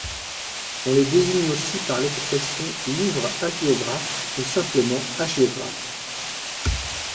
On les désigne aussi par l'expression Livres Hagiographes ou simplement Hagiographes.